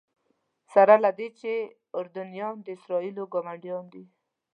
سره له دې چې اردنیان د اسرائیلو ګاونډیان دي.